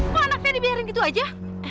mau anaknya dibiarin gitu aja